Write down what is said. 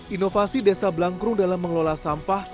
inovasi desa blangkrum dalam mengelola sampah